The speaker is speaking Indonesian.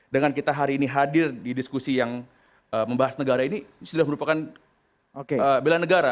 dengan kita hari ini hadir di diskusi yang membahas negara ini sudah merupakan bela negara